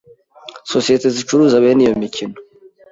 Sosiyete zicuruza bene iyo mikino